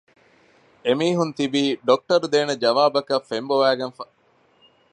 އެމީހުން ތިބީ ޑޮކުޓަރު ދޭނެ ޖަވާބަކަށް ފެންބޮވައިގެން ފަ